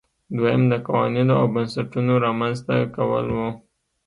دویم د قوانینو او بنسټونو رامنځته کول وو.